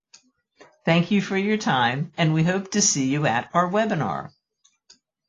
Thank you for your time, and we hope to see you at our webinar.